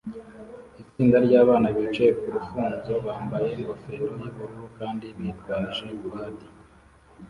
Itsinda ryabana bicaye ku rufunzo bambaye ingofero yubururu kandi bitwaje padi